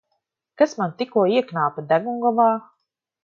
Kas man tikko ieknāba degungalā?